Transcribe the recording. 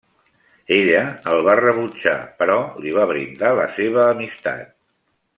Ella el va rebutjar però li va brindar la seva amistat.